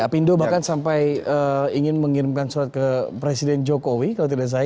apindo bahkan sampai ingin mengirimkan surat ke presiden jokowi kalau tidak salah